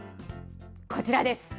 こちらです。